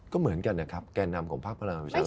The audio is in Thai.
ก็เหมือนกันนะครับแก่นำของภาคพลังประชารัฐ